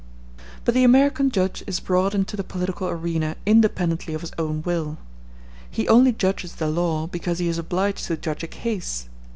But the American judge is brought into the political arena independently of his own will. He only judges the law because he is obliged to judge a case.